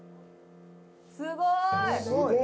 すごい！